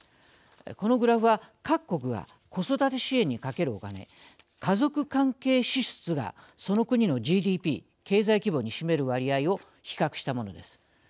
このグラフは各国が子育て支援にかけるお金家族関係支出がその国のＧＤＰ、経済規模に占める割合を比較したものです。